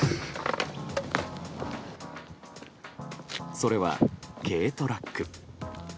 それは、軽トラック。